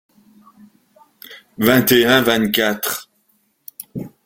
vingt et un vingt-quatre.